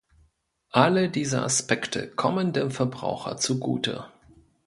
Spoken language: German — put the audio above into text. Alle diese Aspekte kommen dem Verbraucher zugute.